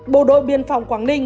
bộ đội biên phòng quảng ninh